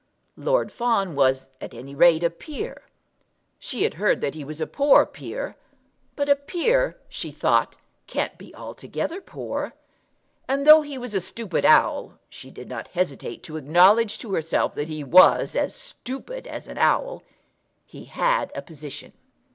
Lord Fawn was at any rate a peer. She had heard that he was a poor peer, but a peer, she thought, can't be altogether poor. And though he was a stupid owl, she did not hesitate to acknowledge to herself that he was as stupid as an owl, he had a position.